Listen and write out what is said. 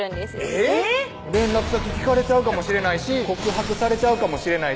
えぇっ⁉連絡先聞かれちゃうかもしれないし告白されちゃうかもしれない